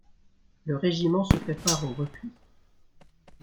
Le régiment se prépare au repli.